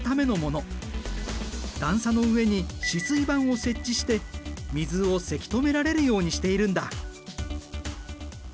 段差の上に止水板を設置して水をせき止められるようにしているんだ。